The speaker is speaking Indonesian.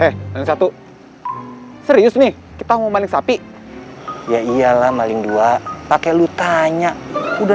eh yang satu serius nih kita mau manik sapi ya iyalah maling dua pakai lu tanya udah